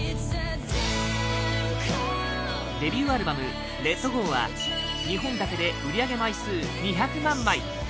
デビューアルバム「ＬｅｔＧｏ」は日本だけで売上枚数２００万枚